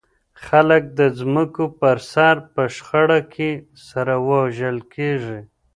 خلک د ځمکو پر سر په شخړه کې سره وژل کېږي.